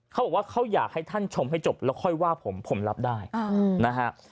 เขาบอกว่าเขาอยากให้ท่านชมให้จบแล้วค่อยว่าผมผมรับได้นะฮะ